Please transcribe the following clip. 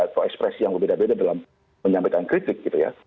atau ekspresi yang berbeda beda dalam menyampaikan kritik gitu ya